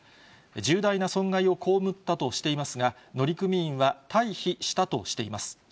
重大な損害を被ったとしていますが、乗組員は退避したとしています。